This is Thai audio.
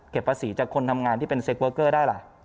ภาษีจากคนทำงานที่เป็นเซคเวอร์เกอร์ได้ล่ะ